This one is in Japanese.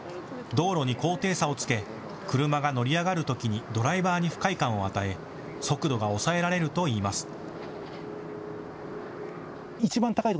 道路に高低差をつけ車が乗り上がるときにドライバーに不快感を与え速度が抑えられるといいます。